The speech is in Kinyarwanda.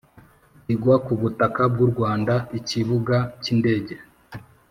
igwa ku butaka bw u Rwanda ikibuga cy indege